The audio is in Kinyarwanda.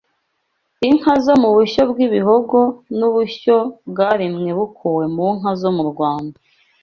Inka zo mu bushyo bw’Ibihogo n’ubushyo bwaremwe bukuwe mu nka zo mu Rwanda